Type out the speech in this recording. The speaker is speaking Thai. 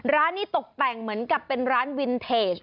ร้านนี้ตกแต่งเหมือนกับเป็นร้านวินเทจ